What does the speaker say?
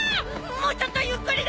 もうちょっとゆっくりで！